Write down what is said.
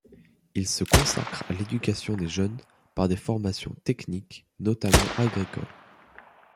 Ils se consacrent à l'éducation des jeunes par des formations techniques, notamment agricoles.